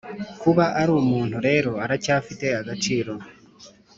kuba ari umuntu rero aracyafite agaciro,